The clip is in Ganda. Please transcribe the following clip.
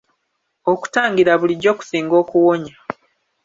Okutangira bulijjo kusinga okuwonya.